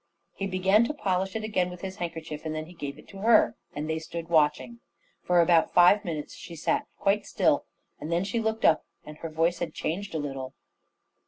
He began to polish it again with his handkerchief; and then he gave it to her, and they stood watching her. For about five minutes she sat quite still; and then she looked up, and her voice had changed a little.